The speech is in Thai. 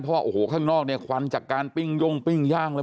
เพราะว่าโอ้โหข้างนอกเนี่ยควันจากการปิ้งย่งปิ้งย่างเลย